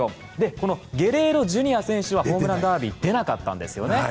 このゲレーロＪｒ．はホームランダービーに出なかったんですね。